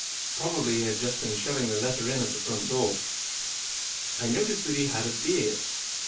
Probably he had just been shoving the letter in at the front door. I noticed that he had a beard.